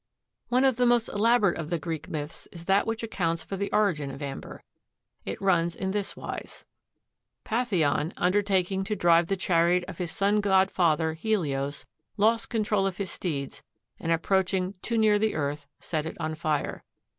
One of the most elaborate of the Greek myths is that which accounts for the origin of amber. It runs in this wise:—Phaethon, undertaking to drive the chariot of his sun god father, Helios, lost control of his steeds and approaching too near the earth set it on fire.